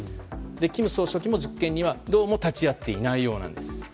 金総書記も実験にはどうも立ち会っていないようなんです。